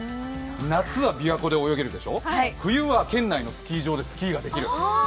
夏はびわ湖で泳げるでしょ、冬は県内のスキー場でスキーができる。